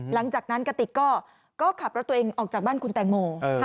หลังจากนั้นกะติกก็ขับรถตัวเองออกจากบ้านคุณแตงโม